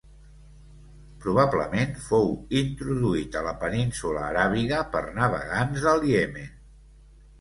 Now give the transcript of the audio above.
Probablement fou introduït a la península Aràbiga per navegants del Iemen.